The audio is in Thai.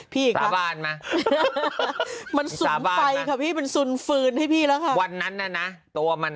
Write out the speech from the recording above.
พี่สาบานนะมันสบายข้าววิบันศูนย์ฟืนให้พี่แล้วค่ะวันนั้นนะนะตัวมัน